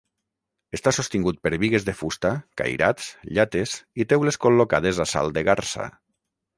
Està sostingut per bigues de fusta, cairats, llates i teules col·locades a salt de garsa.